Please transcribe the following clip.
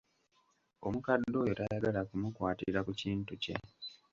Omukadde oyo tayagala kumukwatira ku kintu kye.